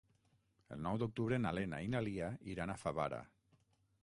El nou d'octubre na Lena i na Lia iran a Favara.